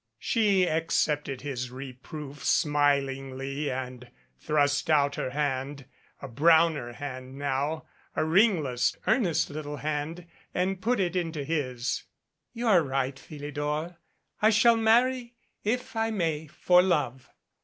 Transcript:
She accepted his reproof smilingly and thrust out her hand a browner hand now, a ringless, earnest little hand and put it into his. "You are right, Philidor, I shall marry if I may for love.